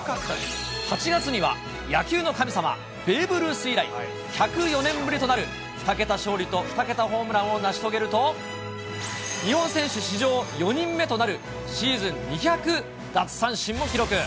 ８月には、野球の神様、ベーブ・ルース以来１０４年ぶりとなる、２桁勝利と２桁ホームランを成し遂げると、日本選手史上４人目となるシーズン２００奪三振も記録。